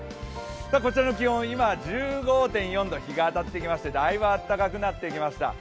こちらの気温、今、１５．４度日が当たってきましてだいぶあったかくなってきました。